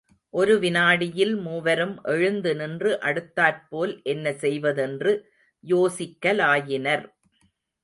ஒரு வினாடியில் மூவரும் எழுந்து நின்று அடுத்தாற் போல் என்ன செய்வதென்று யோசிக்கலாயினர்.